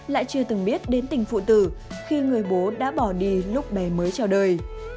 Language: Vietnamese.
lại chưa từng biết đến tình phụ tử khi người bố đã bỏ đi lúc bé mới chào đời